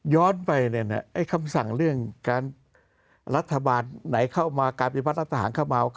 ให้คำสั่งเรื่องการรัฐบาลไหนเข้ามาการปฏิเสธอนาฏธาหากเข้ามา